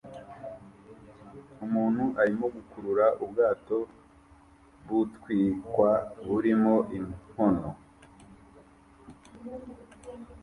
Umuntu arimo gukurura ubwato butwikwa burimo inkono